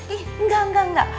ih enggak enggak enggak